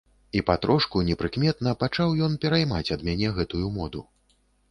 І патрошку, непрыкметна, пачаў ён пераймаць ад мяне гэтую моду.